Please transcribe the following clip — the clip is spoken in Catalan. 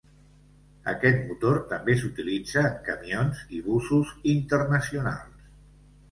Aquest motor també s'utilitza en camions i busos internacionals.